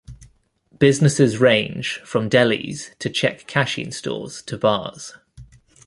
Businesses range from delis to check-cashing stores to bars.